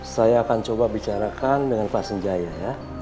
saya akan coba bicarakan dengan pak senjaya ya